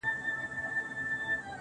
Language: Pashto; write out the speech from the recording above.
دا چا ويله چي ښايست په قافيو کي بند دی~